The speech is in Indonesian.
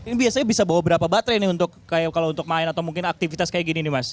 ini biasanya bisa bawa berapa baterai nih untuk kalau untuk main atau mungkin aktivitas kayak gini nih mas